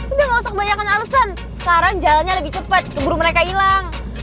udah gak usah kebanyakan alasan sekarang jalannya lebih cepat keburu mereka hilang